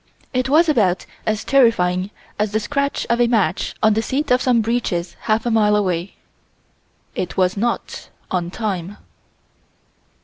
It was about as terrifying as the scratch of a match on the seat of some breeches half a mile away. It was not on time.